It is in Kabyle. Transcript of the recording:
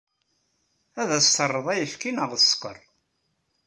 Ad as-terreḍ ayefki neɣ sskeṛ?